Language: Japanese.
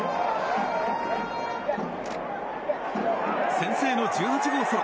先制の１８号ソロ。